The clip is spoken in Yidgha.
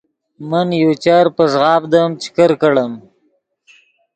من یو چر پݱغاڤدیم چے کرکڑیم